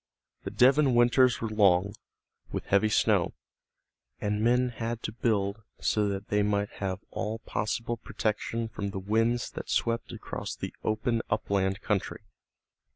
The Devon winters were long, with heavy snow, and men had to build so that they might have all possible protection from the winds that swept across the open upland country.